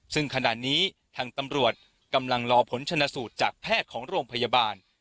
ซึ่งขณะนี้ทางตำรวจกำลังรอผลชนะสูตรจากแพทย์ของโรงพยาบาล